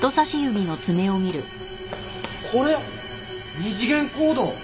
これ二次元コード！